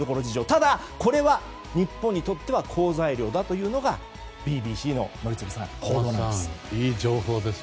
ただ日本にとっては好材料だというのがＢＢＣの報道なんです。